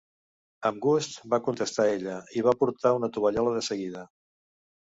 "Amb gust", va contestar ella, i va portar una tovallola de seguida.